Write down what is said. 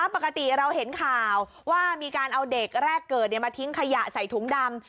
ปกติเราเห็นข่าวว่ามีการเอาเด็กแรกเกิดมาทิ้งขยะใส่ถุงดำ